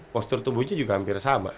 postur tubuhnya juga hampir sama